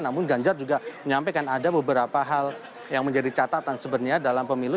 namun ganjar juga menyampaikan ada beberapa hal yang menjadi catatan sebenarnya dalam pemilu